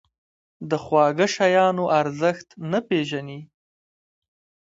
د خواږه شیانو ارزښت نه پېژني.